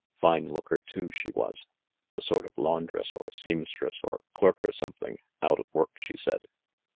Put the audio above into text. Fine looker, too, she was. A sort of laundress or seam stress or clerk or something ; out of work, she said."